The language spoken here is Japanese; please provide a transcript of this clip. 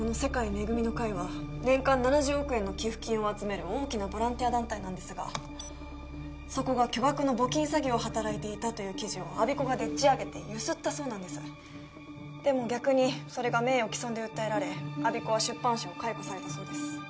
恵みの会は年間７０億円の寄付金を集める大きなボランティア団体なんですがそこが巨額の募金詐欺を働いていたという記事を我孫子がでっち上げてゆすったそうなんですでも逆にそれが名誉毀損で訴えられ我孫子は出版社を解雇されたそうです